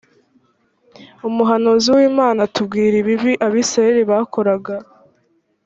umuhanuzi w imana atubwira ibibi abisirayeli bakoraga